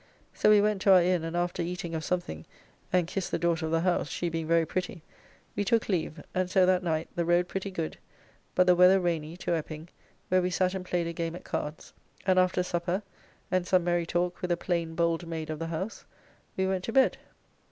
So we went to our Inn, and after eating of something, and kissed the daughter of the house, she being very pretty, we took leave, and so that night, the road pretty good, but the weather rainy to Ep[p]ing, where we sat and played a game at cards, and after supper, and some merry talk with a plain bold maid of the house, we went to bed.